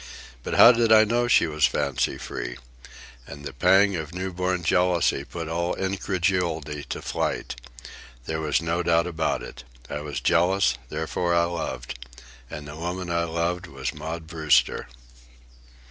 But how did I know she was fancy free? And the pang of new born jealousy put all incredulity to flight. There was no doubt about it. I was jealous; therefore I loved. And the woman I loved was Maud Brewster.